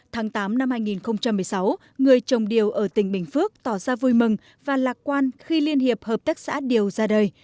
tháng tám năm hai nghìn một mươi sáu người trồng điều ở tỉnh bình phước tỏ ra vui mừng và lạc quan khi liên hiệp hợp tác xã điều ra đời